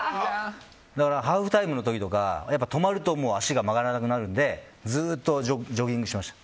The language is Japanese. だからハーフタイムの時とか止まると足が曲がらなくなるのでずっとジョギングしてました。